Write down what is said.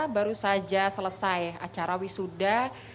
baru saja selesai acara wisuda